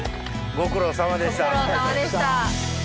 ご苦労さまでした。